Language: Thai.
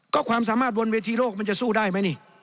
ก็ความสามารถบนเวทีโลกมันจะสู้ได้ไหมนี่